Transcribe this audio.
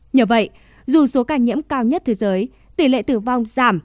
nhờ vậy dù số ca nhiễm cao nhất thế giới tỷ lệ tử vong giảm